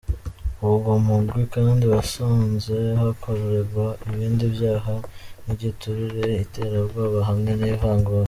Uwo mugwi kandi wasanze hakoregwa ibindi vyaha nk'igiturire, iterabwoba hamwe n'ivangura.